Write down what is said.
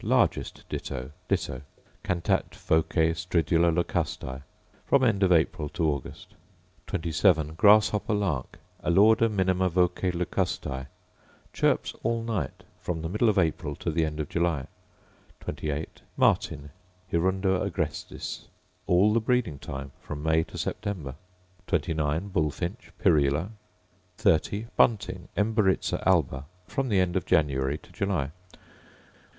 Largest ditto, Ditto: Cantat voce stridula locustae: from end of April to August. 27. Grasshopper lark, Alauda minima voce locustae: Chirps all night, from the middle of April to the end of July 28. Martin, Hirundo agrestis: All the breeding time; from May to September. 29. Bullfinch, Pyrrhula: 30. Bunting, Emberiza alba: From the end of January to July.